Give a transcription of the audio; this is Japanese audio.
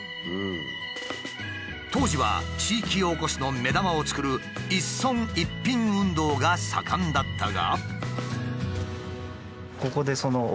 当時は地域おこしの目玉を作る一村一品運動が盛んだったが。